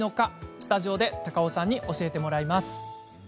スタジオで高尾さんに教えてもらいます。